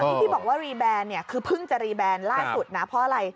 ที่พี่บอกว่ารีแบนเนี่ยคือเพิ่งจะรีแบนล่าสุดนะเพราะอะไร